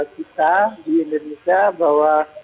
kita di indonesia bahwa